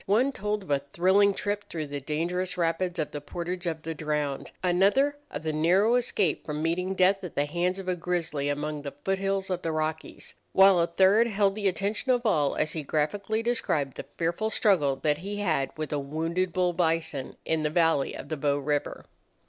One told of a thrilling trip through the dangerous rapids of the Portage of the Drowned; another, of the narrow escape from meeting death at the hands of a grizzly among the foot hills of the Rockies; while a third held the attention of all as he graphically described the fearful struggle that he had with a wounded bull bison in the valley of the Bow River.